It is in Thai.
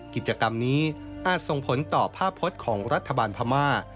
กิจกรรมนี้อาจส่งผลต่อภาพพจน์ของรัฐบาลพม่า